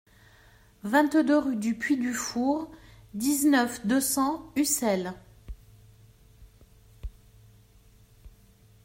vingt-deux rue du Puy du Four, dix-neuf, deux cents, Ussel